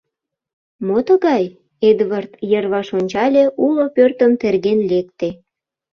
“Мо тыгай?” — Эдвард йырваш ончале, уло пӧртым терген лекте.